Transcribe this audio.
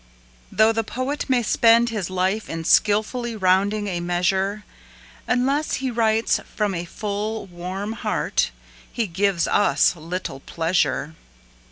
Though the poet may spend his life in skilfully rounding a measure, Unless he writes from a full, warm heart he gives us little pleasure.